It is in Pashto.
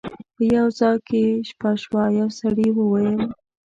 په یو ځای کې یې شپه شوه یو سړي وویل.